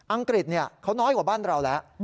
องกฤษเขาน้อยกว่าบ้านเราแล้ว